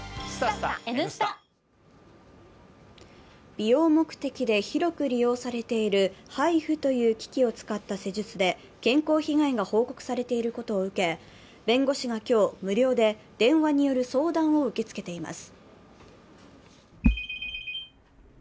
美容目的で広く利用されているＨＩＦＵという機器を使った施術で健康被害が報告されていることを受け、弁護士が今日、無料で電話による相談を受け付けています。